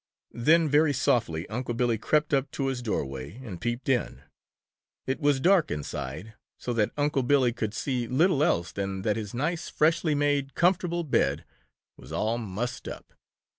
Then very softly Unc' Billy crept up to his doorway and peeped in. It was dark inside, so that Unc' Billy could see little else than that his nice, freshly made, comfortable bed was all mussed up.